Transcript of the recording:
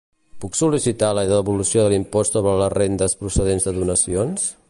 Puc sol·licitar la devolució de l'impost sobre les rendes procedents de donacions?